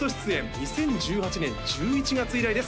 ２０１８年１１月以来です